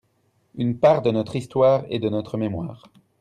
Une part de notre histoire et de notre mémoire.